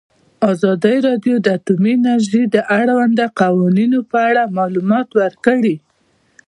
ازادي راډیو د اټومي انرژي د اړونده قوانینو په اړه معلومات ورکړي.